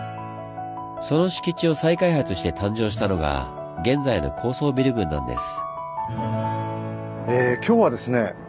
その敷地を再開発して誕生したのが現在の高層ビル群なんです。